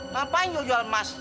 ngapain jual jual emas